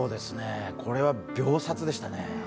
これは秒殺でしたね。